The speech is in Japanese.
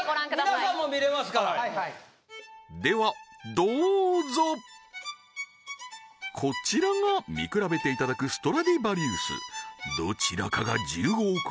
皆さんも見れますからはいはいではどうぞこちらが見比べていただくストラディヴァリウスどちらかが１５億円